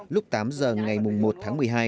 lúc tám h ngày một tháng một mươi hai